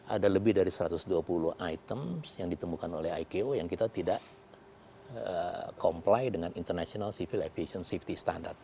ada lebih dari satu ratus dua puluh item yang ditemukan oleh iko yang kita tidak comply dengan international civil aviation safety standard